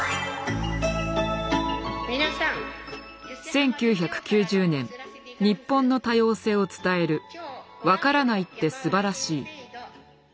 １９９０年日本の多様性を伝える「わからないって素晴らしい」。